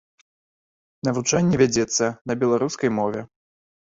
Навучанне вядзецца на беларускай мове.